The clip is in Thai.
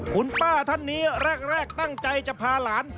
คุณป้าท่านนี้แรกตั้งใจจะพาหลาน